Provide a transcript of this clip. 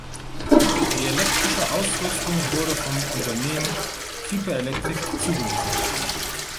Die elektrische Ausrüstung wurde vom Unternehmen Kiepe Elektrik zugeliefert.